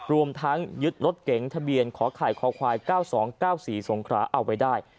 รวมทั้งยึดรถเก๋งทะเบียนขอไข่คอควาย๙๒๙๔สงคราเอาไว้ได้